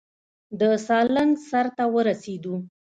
د سالنګ سر ته ورسېدو.